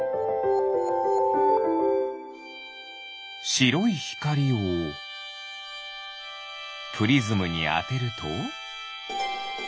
しろいひかりをプリズムにあてると？